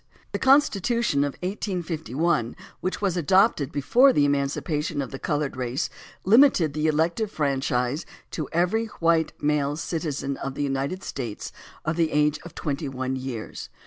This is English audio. " The Constitution of 1851, which was adopted before the emancipation of the colored race, limited the elec tive franchise to "every white male citizen of the United States of the age of twenty one years."